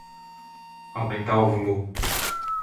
Aumentar o volume.